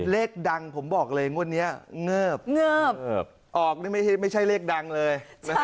เลขดังผมบอกเลยวันนี้เงิบออกไม่ใช่เลขดังเลย